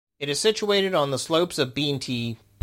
It is situated on the slopes of Beentee.